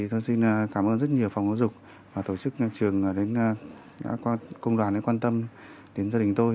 tôi xin cảm ơn rất nhiều phòng ngô dục và tổ chức trường đã qua công đoàn để quan tâm đến gia đình tôi